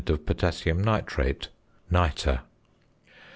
of potassium nitrate (nitre).